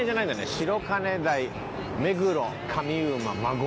「白金台目黒上馬馬込」